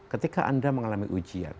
ketika anda mengalami ujian